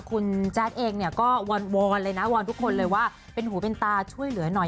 คุณแจ๊ดเองเนี่ยก็วอนเลยนะวอนทุกคนเลยว่าเป็นหูเป็นตาช่วยเหลือหน่อย